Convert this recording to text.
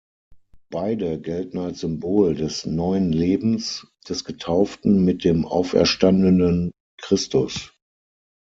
Beide gelten als Symbol des neuen Lebens des Getauften mit dem auferstandenen Christus.